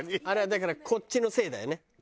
あれはだからこっちのせいだよね。